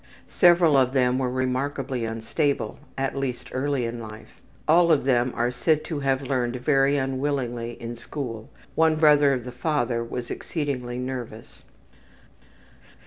Several of them were remarkably unstable, at least early in life. All of them are said to have learned very unwillingly in school. One brother of the father was exceedingly nervous.